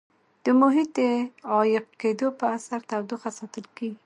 د محیط د عایق کېدو په اثر تودوخه ساتل کیږي.